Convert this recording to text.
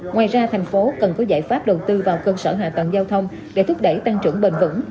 ngoài ra thành phố cần có giải pháp đầu tư vào cơ sở hạ tầng giao thông để thúc đẩy tăng trưởng bền vững